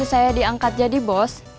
saya diangkat jadi bos